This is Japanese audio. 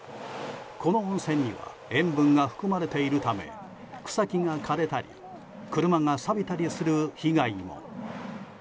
この温泉には塩分が含まれているため草木が枯れたり車がさびたりする被害も。